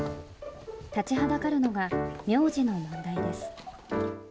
立ちはだかるのが名字の問題です。